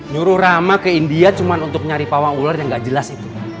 nyuruh rama ke india cuma untuk nyari pawang ular yang nggak jelas itu